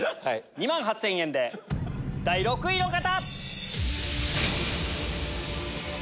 ２万８０００円で第６位の方！